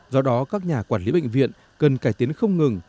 do đó các nhà quản lý bệnh viện cần cải tiến không ngừng